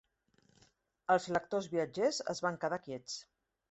Els lectors viatgers es van quedar quiets.